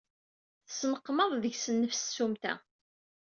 Tesneqmaḍ deg-s nnefs s tsumta.